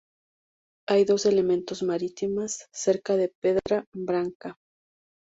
Hay dos elementos marítimas cerca de Pedra Branca.